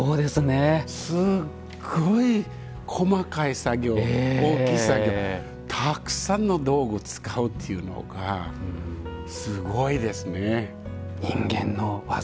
すごい細かい作業、大きい作業たくさんの道具を使うというのがすごいですね。